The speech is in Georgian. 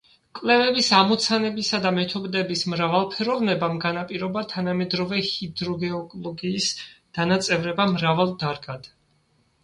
კვლევის ამოცანებისა და მეთოდების მრავალფეროვნებამ განაპირობა თანამედროვე ჰიდროგეოლოგიის დანაწევრება მრავალ დარგად.